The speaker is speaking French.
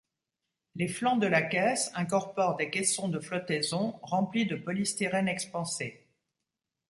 Les flancs de la caisse incorporent des caissons de flottaison remplis de polystyrène expansé.